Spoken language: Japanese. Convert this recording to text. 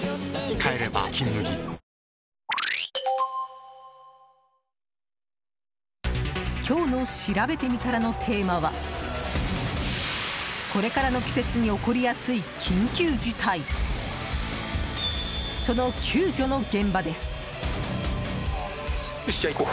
帰れば「金麦」今日のしらべてみたらのテーマはこれからの季節に起こりやすい緊急事態、その救助の現場です。